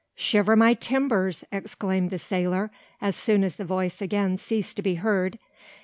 "Shiver my timbers!" exclaimed the sailor, as soon as the voice again ceased to be heard.